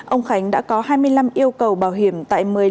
ông khánh đã có hai mươi năm yêu cầu bảo hiểm tại một mươi năm công ty bảo hiểm